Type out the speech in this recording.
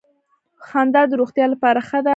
خندا د روغتیا لپاره ښه ده